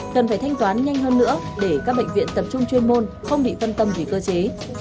cần phải thanh toán nhanh hơn nữa để các bệnh viện tập trung chuyên môn không bị phân tâm vì cơ chế